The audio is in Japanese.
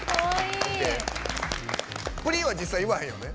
「ぷり」は実際言わへんよね？